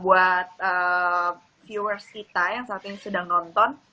buat viewers kita yang saat ini sedang nonton